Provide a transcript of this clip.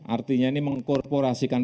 artinya ini mengkorporasikan